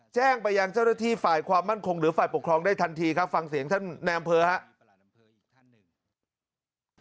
แจ้งไปยังเจ้าหน้าที่ฝ่ายความมั่นคงหรือฝ่ายปกครองได้ทันทีครับฟังเสียงท่านในอำเภอครับ